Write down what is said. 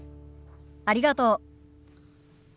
ありがとう。